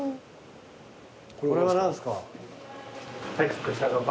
これは何ですか？